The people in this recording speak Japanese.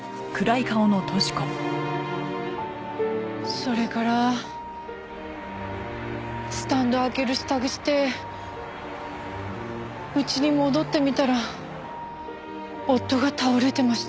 それからスタンド開ける仕度してうちに戻ってみたら夫が倒れてました。